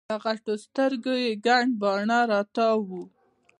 له غټو سترګو یي ګڼ باڼه راتاو وو